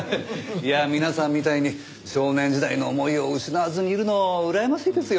いや皆さんみたいに少年時代の思いを失わずにいるのはうらやましいですよ。